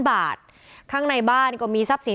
ที่ด้านล่างนู่นก็มีที่รวมใหม่